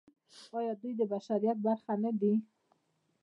آیا دوی د بشریت برخه نه دي؟